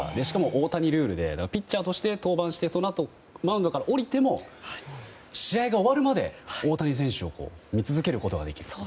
しかも大谷ルールでピッチャーとして登板してそのあとマウンドから降りても試合が終わるまで大谷選手を見続けることができる。